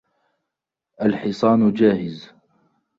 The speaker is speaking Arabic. الحصان جاهز.